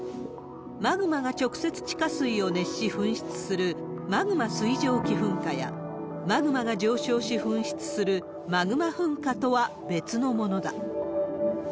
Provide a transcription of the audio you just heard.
マグマが直接地下水を熱し噴出するマグマ水蒸気噴火や、マグマが上昇し、噴出するマグマ噴火とは別のものだ。